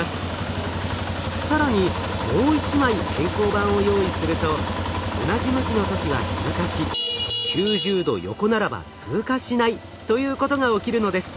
更にもう１枚偏光板を用意すると同じ向きの時は通過し９０度横ならば通過しないということが起きるのです。